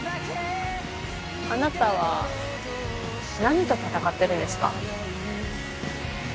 あなたは何と戦ってるんですか？